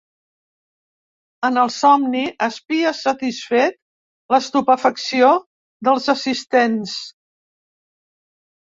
En el somni, espia satisfet l'estupefacció dels assistents.